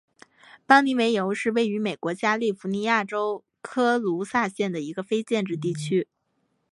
邦妮维尤是位于美国加利福尼亚州科卢萨县的一个非建制地区。